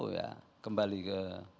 ya kembali ke